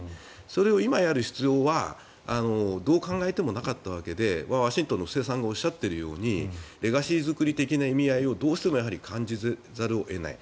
それを今やる必要はどう考えてもなかったわけでワシントンの布施さんがおっしゃっているようにレガシー作り的な意味合いをどうしても感じざるを得ない。